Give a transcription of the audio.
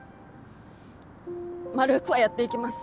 まるふくはやっていけます。